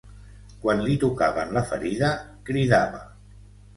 Quan li tocaven la ferida, cridava.